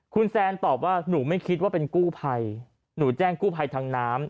คุณแซนตอบว่าหนูไม่คิดว่าเป็นกู้ภัยหนูแจ้งกู้ภัยทางน้ำ